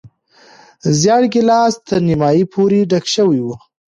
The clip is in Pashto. زېړ ګیلاس تر نیمايي پورې ډک شوی و.